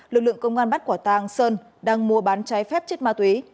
lực lượng công an bắt quả tang sơn đang mua bán cháy phép chất ma túy